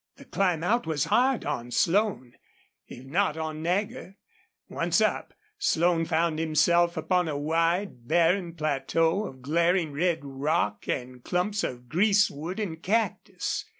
The climb out was hard on Slone, if not on Nagger. Once up, Slone found himself upon a wide, barren plateau of glaring red rock and clumps of greasewood and cactus.